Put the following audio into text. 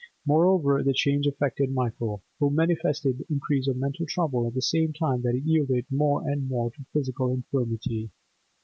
Moreover, the change affected Michael, who manifested increase of mental trouble at the same time that he yielded more and more to physical infirmity.